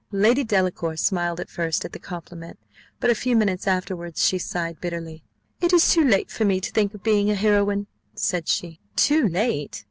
Lady Delacour smiled at first at the compliment, but a few minutes afterwards she sighed bitterly. "It is too late for me to think of being a heroine," said she. "Too late?"